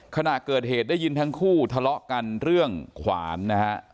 ขณะเกิดเหตุได้ยินทั้งคู่ทะเลาะกันเรื่องขวานนะฮะ